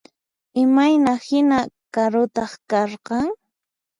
Imayna hina karutaq karqan?